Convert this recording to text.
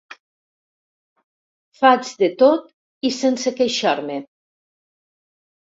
Faig de tot i sense queixar-me.